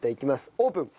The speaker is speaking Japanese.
オープン。